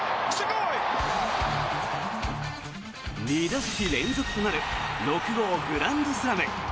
２打席連続となる６号グランドスラム。